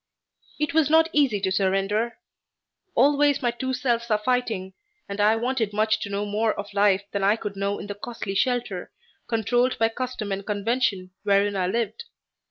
It was not easy to surrender. Always my two selves are fighting and I wanted much to know more of life than I could know in the costly shelter, controlled by custom and convention, wherein I lived.